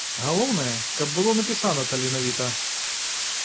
Галоўнае, каб было напісана таленавіта.